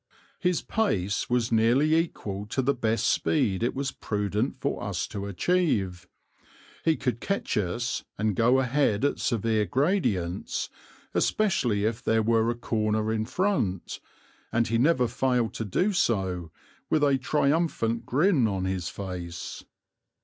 His pace was nearly equal to the best speed it was prudent for us to achieve; he could catch us and go ahead at severe gradients, especially if there were a corner in front, and he never failed to do so with a triumphant grin on his face.